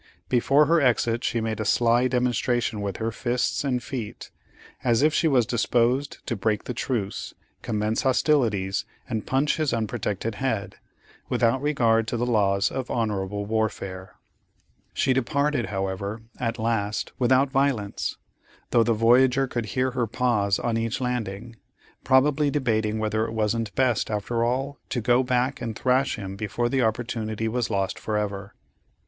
Before her exit she made a sly demonstration with her fists and feet, as if she was disposed to break the truce, commence hostilities, and punch his unprotected head, without regard to the laws of honorable warfare. She departed, however, at last, without violence, though the voyager could hear her pause on each landing, probably debating whether it wasn't best after all to go back and thrash him before the opportunity was lost for ever.